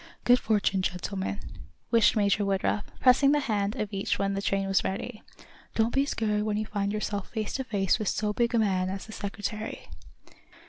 "Good fortune, gentlemen," wished Major Woodruff, pressing the hand of each when the train was ready. "Don't be scared when you find yourselves face to face with so big a man as the Secretary."